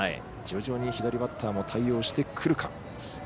徐々に左バッターも対応してくるか。